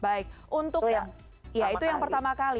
baik untuk ya itu yang pertama kali